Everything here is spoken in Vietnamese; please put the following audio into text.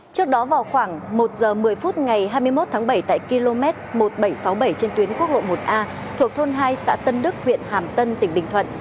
trước đó vào khoảng một giờ một mươi phút ngày hai mươi một tháng bảy tại km một nghìn bảy trăm sáu mươi bảy trên tuyến quốc lộ một a thuộc thôn hai xã tân đức huyện hàm tân tỉnh bình thuận